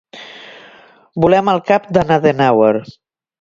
Volem el cap de n'Adenauer.